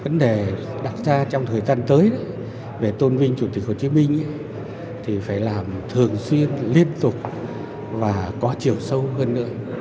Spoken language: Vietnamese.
vấn đề đặt ra trong thời gian tới về tôn vinh chủ tịch hồ chí minh thì phải làm thường xuyên liên tục và có chiều sâu hơn nữa